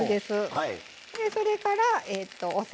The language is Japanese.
それからお酒。